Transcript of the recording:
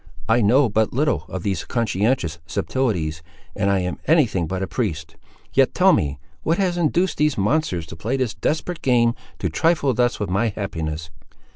I know but little of these conscientious subtilties, and I am any thing but a priest: yet tell me, what has induced these monsters to play this desperate game—to trifle thus with my happiness?"